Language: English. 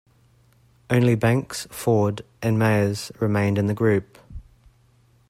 Only Banks, Ford and Mayes remained in the group.